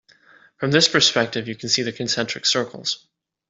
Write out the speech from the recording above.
From this perspective you can see the concentric circles.